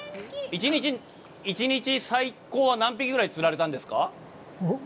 １日、最高、何匹ぐらい釣られたんですか。